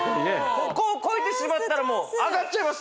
ここを越えてしまったらもう上がっちゃいます